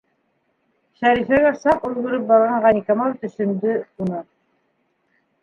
Шәрифәгә саҡ өлгөрөп барған Ғәйникамал төшөндө уны.